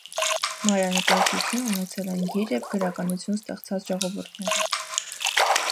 Մանրանկարչություն ունեցել են գիր և գրականություն ստեղծած ժողովուրդները։